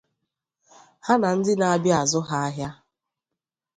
ha na ndị na-abịa azụ ha ahịa.